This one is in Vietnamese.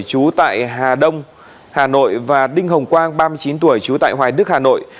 chú tại hà đông hà nội và đinh hồng quang ba mươi chín tuổi trú tại hoài đức hà nội